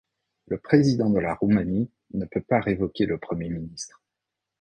Le président de la Roumanie ne peut pas révoquer le Premier ministre.